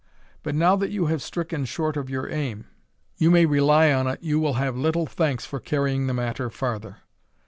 But now that you have stricken short of your aim, you may rely on it you will have little thanks for carrying the matter farther.